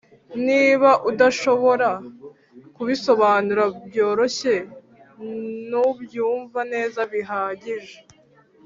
"niba udashobora kubisobanura byoroshye, ntubyumva neza bihagije